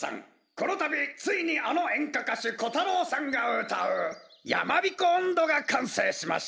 このたびついにあのえんかかしゅコタロウさんがうたう「やまびこおんど」がかんせいしました。